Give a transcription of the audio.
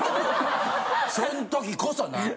そんときこそなっ！